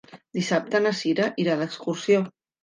Dissabte na Sira irà d'excursió.